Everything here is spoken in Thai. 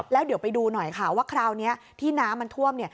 แล้วเดี๋ยวไปดูหน่อยค่ะว่าคราวนี้ที่น้ำมันท่วม